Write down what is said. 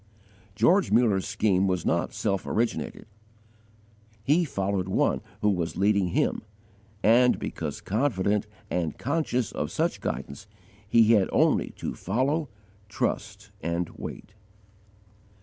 George Muller's scheme was not self originated. He followed One who was leading him; and, because confident and conscious of such guidance, he had only to follow, trust, and wait.